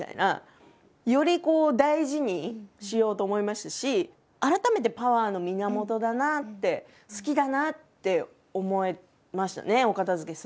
より大事にしようと思いましたし改めてパワーの源だなあって好きだなあって思えましたねお片づけするときに。